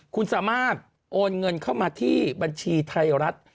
คุณสามารถโอนเงินเข้ามาที่บัญชีไทยรัฐ